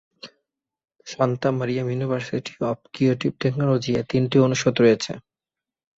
Shanto-Mariam university of creative technology এ তিনটি অনুষদ রয়েছে।